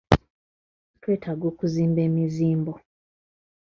Twetaaga okuzimba emizimbo.